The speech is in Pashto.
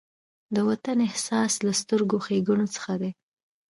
د وطن احساس له سترو ښېګڼو څخه دی.